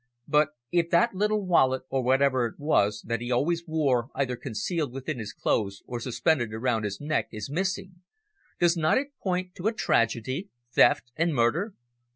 "But if that little wallet, or whatever it was, that he always wore either concealed within his clothes or suspended around his neck, is missing, does not it point to a tragedy theft and murder?"